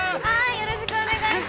◆よろしくお願いします。